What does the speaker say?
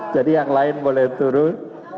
jadi yang lain boleh turun